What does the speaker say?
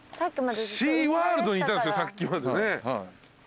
シーワールドにいたんすよさっきまでね。